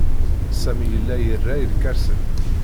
Sami yella ira irkasen.